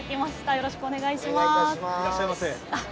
よろしくお願いします。